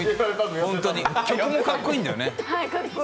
本当に、曲もかっこいいんだよね。